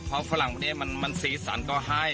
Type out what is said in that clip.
เพราะฝรั่งคนนี้มันสีสันก็ให้